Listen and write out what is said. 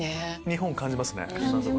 日本を感じますね。